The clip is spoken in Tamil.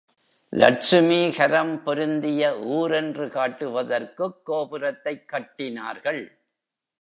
லட்சுமீகரம் பொருந்திய ஊர் என்று காட்டுவதற்குக் கோபுரத்தைக் கட்டினார்கள்.